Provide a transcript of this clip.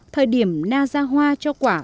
thời điểm na ra hoa cho quả